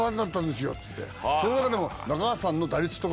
その中でも。